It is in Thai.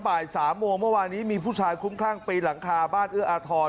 บ่ายสามโมงเมื่อวานี้มีผู้ชายคุ้มข้างไปหลังคาบ้านเอื้ออทร